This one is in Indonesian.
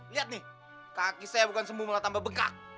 lihat nih kaki saya bukan sembuh malah tambah bekak